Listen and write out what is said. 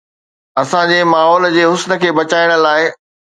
اسان جي ماحول جي حسن کي بچائڻ لاء